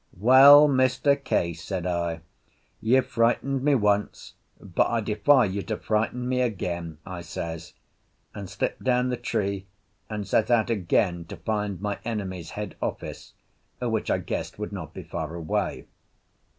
"Well, Mr. Case," said I, "you've frightened me once, but I defy you to frighten me again," I says, and slipped down the tree, and set out again to find my enemy's head office, which I guessed would not be far away.